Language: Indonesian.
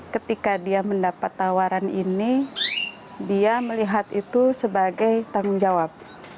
ketika dia mendapat tawaran ini dia melihat itu sebagai tanggung jawab